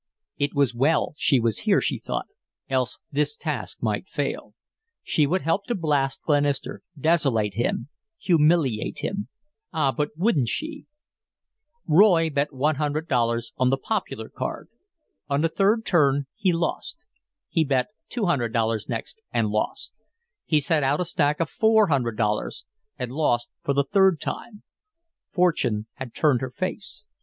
It was well she was here, she thought, else this task might fail. She would help to blast Glenister, desolate him, humiliate him. Ah, but wouldn't she! Roy bet $100 on the "popular" card. On the third turn he lost. He bet $200 next and lost. He set out a stack of $400 and lost for the third time. Fortune had turned her face.